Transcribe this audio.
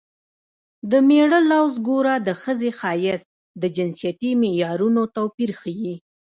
د مېړه لوز ګوره د ښځې ښایست د جنسیتي معیارونو توپیر ښيي